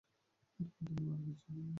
আর এখন তুমি মারা গেছো!